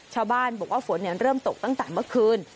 ชาวบ้านบอกว่าฝนเริ่มตกตั้งแต่เมื่อคืน